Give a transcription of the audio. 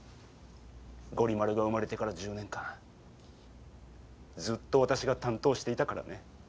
ゴリ丸が生まれてから１０年間ずっと私が担当していたからね。